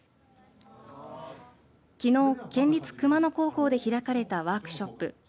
きのう県立熊野高校で開かれたワークショップ。